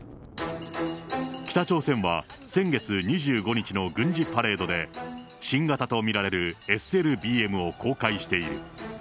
北朝鮮は先月２５日の軍事パレードで、新型と見られるＳＬＢＭを公開している。